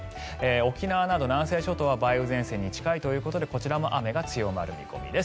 沖縄など南西諸島は梅雨前線に近いということでこちらも雨が強まる見込みです。